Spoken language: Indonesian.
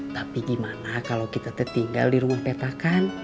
tapi gimana kalau kita tertinggal di rumah petakan